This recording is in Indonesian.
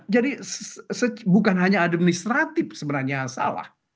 jadi bukan hanya administratif sebenarnya salah